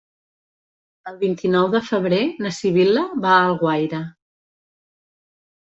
El vint-i-nou de febrer na Sibil·la va a Alguaire.